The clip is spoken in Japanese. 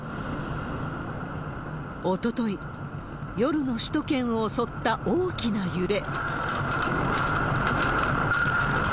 おととい、夜の首都圏を襲った大きな揺れ。